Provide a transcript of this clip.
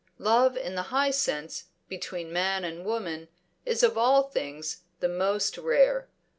Love in the high sense between man and woman is of all things the most rare.